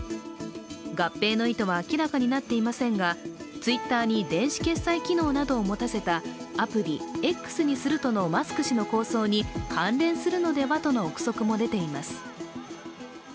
合併の意図は明らかになっていませんが、Ｔｗｉｔｔｅｒに電子決済機能などを持たせたアプリＸにするとのマスク氏の構想に関連するのではとの臆測も出ています。